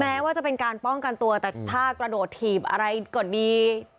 แม้ว่าจะเป็นการป้องกันตัวแต่ถ้ากระโดดถีบอะไรก็ดี